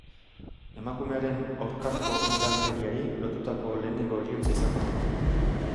Emakumearen aurkakoindarkeriari lotutako lehenengo heriotza izan da.